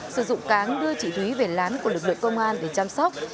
sử dụng cáng đưa chị thúy về lán của lực lượng công an để chăm sóc